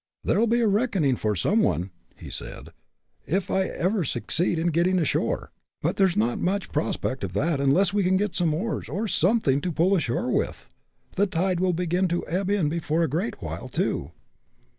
"There'll be a reckoning for some one," he said, "if I ever succeed in getting ashore. But there's not much prospect of that, unless we can get some oars, or something to pull ashore with. The tide will begin to ebb in before a great while, too."